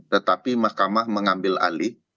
tetapi mahkamah mengambil alih